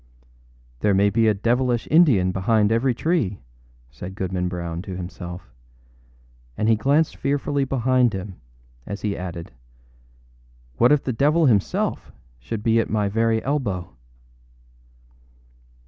âThere may be a devilish Indian behind every tree,â said Goodman Brown to himself; and he glanced fearfully behind him as he added, âWhat if the devil himself should be at my very elbow!